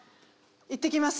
いってきます。